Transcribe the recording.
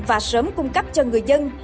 và sớm cung cấp cho người dân